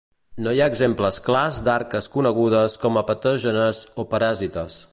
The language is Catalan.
No hi ha exemples clars d'arques conegudes com a patògenes o paràsites.